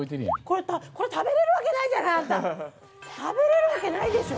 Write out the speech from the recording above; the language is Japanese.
これ食べれるわけないじゃないあんた。